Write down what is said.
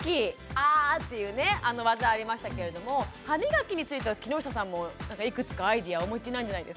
あっていうねあの技ありましたけれども歯磨きについては木下さんもいくつかアイデアお持ちなんじゃないですか？